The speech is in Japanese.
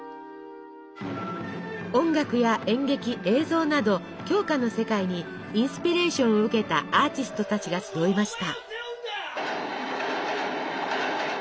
音楽や演劇映像など鏡花の世界にインスピレーションを受けたアーティストたちが集いました。